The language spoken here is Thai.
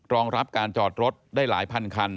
รองรับการจอดรถได้หลายพันคัน